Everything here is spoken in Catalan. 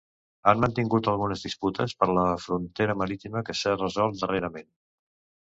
Han mantingut algunes disputes per la frontera marítima que s'han resolt darrerament.